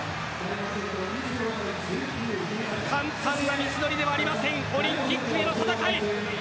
簡単な道のりではありませんオリンピックへの戦い。